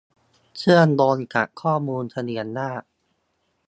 เชื่อมโยงกับข้อมูลทะเบียนราษฎร์